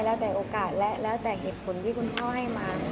แล้วแต่โอกาสและแล้วแต่เหตุผลที่คุณพ่อให้มา